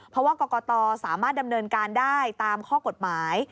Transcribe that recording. เพราะว่ากรกตสามารถดำเนินการได้ตามข้อกฎหมาย